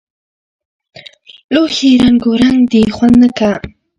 لوښي رنګونک دي خوند نۀ که